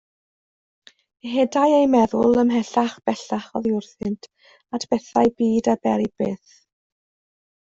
Ehedai ei meddwl ymhellach bellach oddi wrthynt at bethau byd a bery byth.